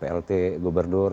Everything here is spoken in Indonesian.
belum pernah plt gubernur